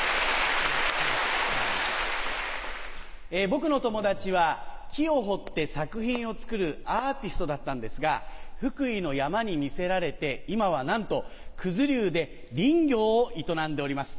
僕の友達は木を彫って作品を作るアーティストだったんですが福井の山に魅せられて今はなんと九頭竜で林業を営んでおります。